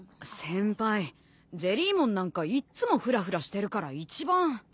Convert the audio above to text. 先輩ジェリーモンなんかいっつもふらふらしてるから一番。